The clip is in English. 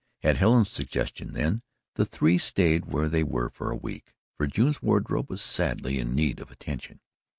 At Helen's suggestion, then, the three stayed where they were for a week, for June's wardrobe was sadly in need of attention.